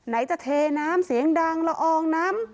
ไหนจะเทน้ำเสียงดังละอองน้ำ